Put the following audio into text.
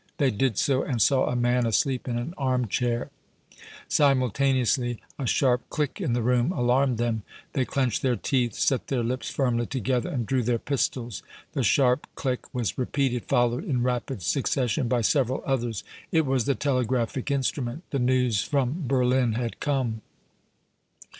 They did so, and saw a man asleep in an arm chair; simultaneously a sharp click in the room alarmed them; they clenched their teeth, set their lips firmly together and drew their pistols. The sharp click was repeated, followed in rapid succession by several others. It was the telegraphic instrument the news from Berlin had come!